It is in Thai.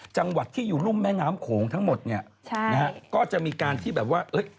จังหวัดที่อยู่รุ่มแม่น้ำโขงทั้งหมดเนี่ยใช่นะฮะก็จะมีการที่แบบว่าเอ้ย